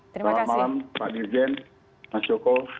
selamat malam pak dirjen mas joko